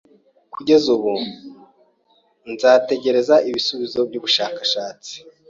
Kugeza ubu, nzategereza ibisubizo byubushakashatsi.